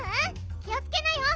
気をつけなよ。